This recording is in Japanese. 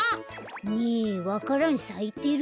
ねえわか蘭さいてる？